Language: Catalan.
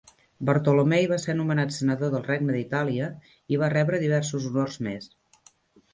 Bartolommei va ser nomenat senador del regne d'Itàlia i va rebre diversos honors més.